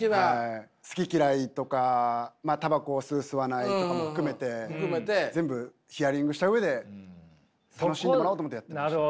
好き嫌いとかタバコを吸う吸わないとかも含めて全部ヒアリングした上で楽しんでもらおうと思ってやってました。